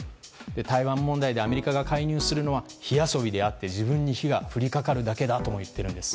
台湾問題でアメリカが介入するのは火遊びであって自分に火がふりかかるだけだとも言ってるんです。